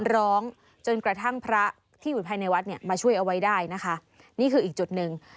ร้องจนกระทั่งพระที่อยู่ภายในวัดเนี่ยมาช่วยเอาไว้ได้นะคะนี่คืออีกจุดหนึ่ง